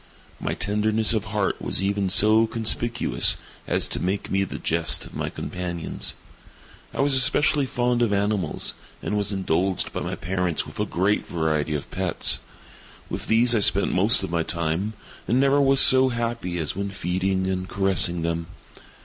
My tenderness of heart was even so conspicuous as to make me the jest of my companions. I was especially fond of animals, and was indulged by my parents with a great variety of pets. With these I spent most of my time, and never was so happy as when feeding and caressing them.